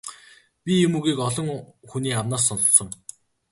Би ийм үгийг олон хүний амнаас сонссон.